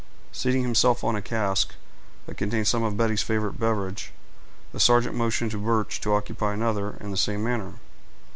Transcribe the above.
Seating himself on a cask, that contained some of Betty's favorite beverage, the sergeant motioned to Birch to occupy another, in the same manner.